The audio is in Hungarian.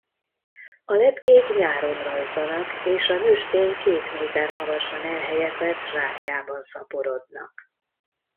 A lepkék nyáron rajzanak és a nőstény két méter magasan elhelyezett zsákjában szaporodnak.